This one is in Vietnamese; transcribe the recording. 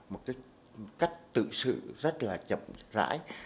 một cái cách tự sự rất là chậm rãi